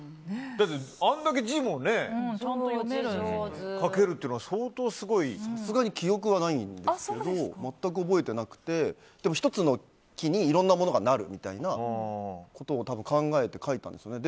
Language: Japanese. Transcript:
だって、あんだけ字も書けるというのはさすがに記憶はないんですけど全く覚えてなくてでも１つの木にいろんなものがなるみたいなことを多分考えて描いたんですよね。